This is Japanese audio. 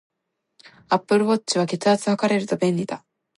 アップルウォッチは、血圧測れると便利だ